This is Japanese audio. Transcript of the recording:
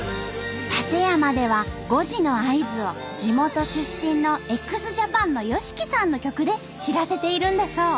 館山では５時の合図を地元出身のＸＪＡＰＡＮのＹＯＳＨＩＫＩさんの曲で知らせているんだそう。